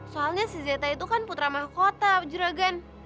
soalnya si zeta itu kan putra mahakota juragan